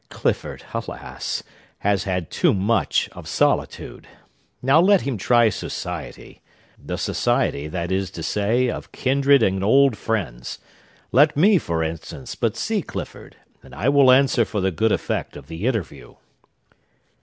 Clifford, alas! has had too much of solitude. Now let him try society,—the society, that is to say, of kindred and old friends. Let me, for instance, but see Clifford, and I will answer for the good effect of the interview."